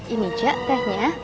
ini cek tehnya